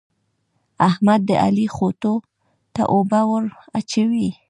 احمد د علي خوټو ته اوبه ور اچوي.